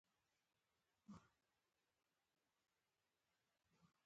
پخوا ویل کېدل پولې باطلې دي.